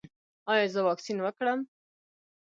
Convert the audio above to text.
ایا زه واکسین وکړم؟